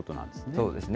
そうですね。